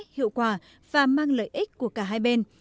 hiệu quả và mang lợi ích của cả hai bên